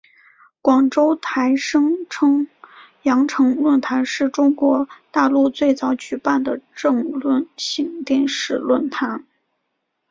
广州台声称羊城论坛是中国大陆最早举办的政论性电视论坛。